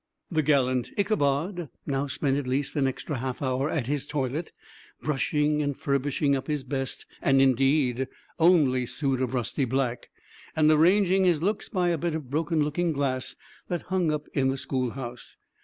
The gallant Ichabod now spent at least an extra half hour at his toilet, brushing and furbishing up his best, and indeed only suit of rusty black, and arranging his looks by a bit of broken looking glass that hung up in the schoolhouse.